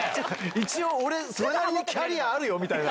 一応、俺、それなりにキャリアあるよみたいな。